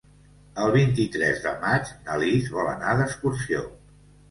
El vint-i-tres de maig na Lis vol anar d'excursió.